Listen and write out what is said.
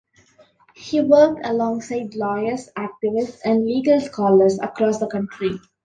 He worked alongside lawyers, activists, and legal scholars across the country.